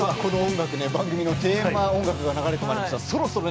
番組のテーマ音楽が流れてきました。